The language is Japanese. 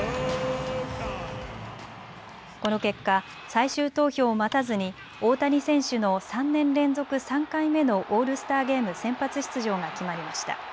この結果、最終投票を待たずに大谷選手の３年連続３回目のオールスターゲーム先発出場が決まりました。